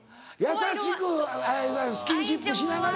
優しくスキンシップしながら。